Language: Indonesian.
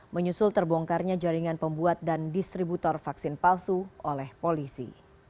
menyusul terbongkarnya jaringan pembuat dan distributor vaksin palsu oleh polisi